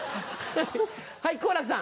はい好楽さん。